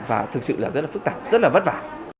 và thực sự là rất là phức tạp rất là vất vả